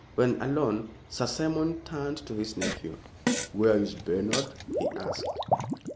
When alone, Sir Simon turned to his nephew. "Where is Bernard?" he asked.